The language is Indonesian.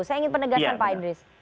saya ingin penegasan pak idris